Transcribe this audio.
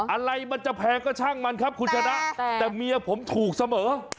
อะไรมันจะแพงก็ช่างมันครับคุณชนะแต่เมียผมถูกเสมอ